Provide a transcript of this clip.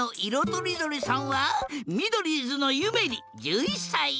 とりどりさんはミドリーズのゆめり１１さい。